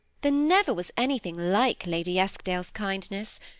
There never was anything like Lady Eskdale's kindness.